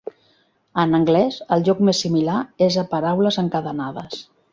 En anglès, el joc més similar és a Paraules encadenades.